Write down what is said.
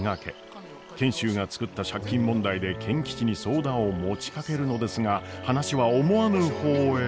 賢秀が作った借金問題で賢吉に相談を持ちかけるのですが話は思わぬ方へ。